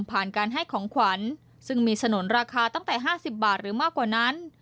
ผ่านการให้ของขวัญซึ่งมีสนุนราคาตั้งแต่๕๐บาทหรือมากกว่านั้น